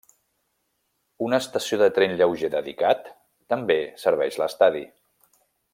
Una estació de tren lleuger dedicat també serveix l'estadi.